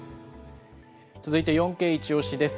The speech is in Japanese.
続いて４Ｋイチオシ！です。